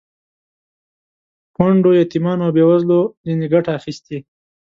کونډو، یتیمانو او بې وزلو ځنې ګټه اخیستې.